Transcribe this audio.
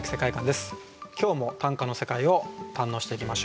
今日も短歌の世界を堪能していきましょう。